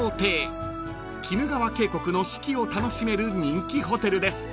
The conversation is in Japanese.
［鬼怒川渓谷の四季を楽しめる人気ホテルです］